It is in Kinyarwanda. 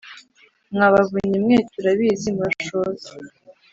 Mwa bavunyi mwe turabizi murashoza